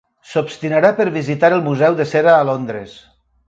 S'obstinarà per visitar el museu de cera a Londres.